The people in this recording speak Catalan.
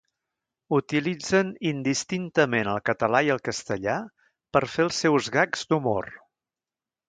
Utilitzen indistintament el català i el castellà per fer els seus gags d'humor.